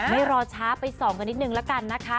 ไม่รอช้าไป๒กว่านิดนึงแล้วกันนะคะ